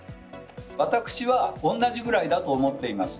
私は同じくらいだと思っています。